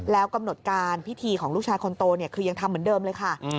แล้วกำหนดการพิธีของลูกชายคนโตคือยังทำเหมือนเดิมเลยค่ะ